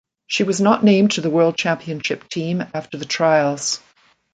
She was not named to the World Championship team after the trials.